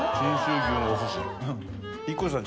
ＩＫＫＯさん